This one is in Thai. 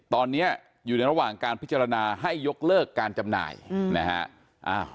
ตอนนี้อยู่ในระหว่างการพิจารณาให้ยกเลิกการจำหน่ายนะฮะ